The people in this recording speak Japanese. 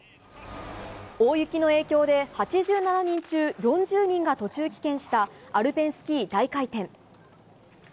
大雪の影響で８７人中４０人が途中棄権したアルペンスキー・大回転。